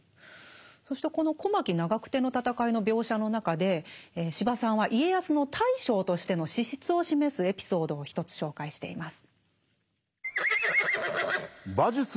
そしてこの小牧・長久手の戦いの描写の中で司馬さんは家康の大将としての資質を示すエピソードを一つ紹介しています。